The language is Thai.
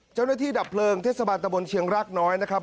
เจ้าหน้าที่ดับเพลิงเทศบาลตะบนเชียงรากน้อยนะครับ